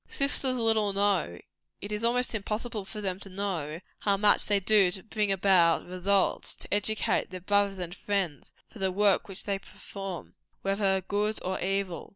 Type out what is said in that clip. Sisters little know it is almost impossible for them ever to know how much they do to bring about results, to educate their brothers and friends, for the work which they perform, whether good or evil.